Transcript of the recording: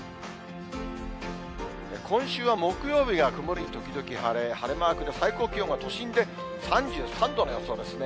今週は木曜日が曇り時々晴れ、晴れマークで、最高気温が都心で３３度の予想ですね。